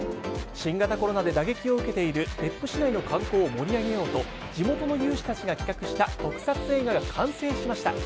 新型コロナで打撃を受けている別府市内の観光を盛り上げようと地元の有志たちが企画した特撮映画が完成しました。